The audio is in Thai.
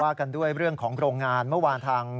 กันด้วยเรื่องของโรงงานเมื่อวานทาง